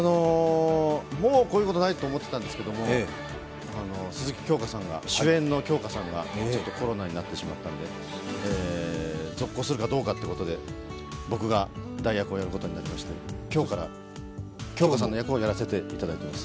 もうこういうことはないと思っていたんですけど、鈴木京香さんが、主演の京香さんがコロナになってしまったので続行するかどうかということで、僕が代役をやることになりまして今日から京香さんの役をやらせていただいてます。